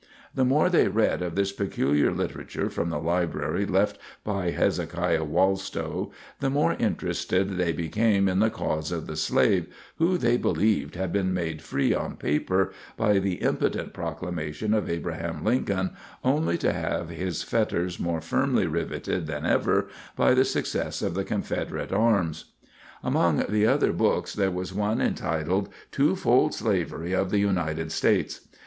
The more they read of this peculiar literature from the library left by Hezekiah Wallstow, the more interested they became in the cause of the slave who, they believed, had been made free on paper by the impotent proclamation of Abraham Lincoln, only to have his fetters more firmly riveted than ever by the success of the Confederate arms. Among the other books there was one entitled "Two fold Slavery of the United States."